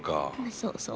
そうそう。